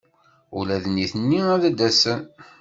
Ula d nitni ad d-asen?